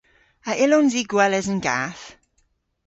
A yllons i gweles an gath?